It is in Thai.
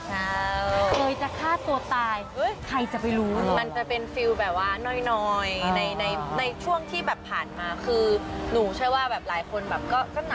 ใช่เคยจะฆ่าตัวตายใครจะไปรู้มันจะเป็นฟิลแบบว่าน้อยในในช่วงที่แบบผ่านมาคือหนูเชื่อว่าแบบหลายคนแบบก็หนัก